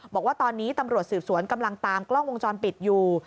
บอกว่าตอนนี้ตำรวจสืบสวนกำลังตามกล้องวงจรปิดอยู่